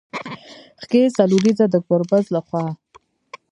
ښکې څلوريزه د ګربز له خوا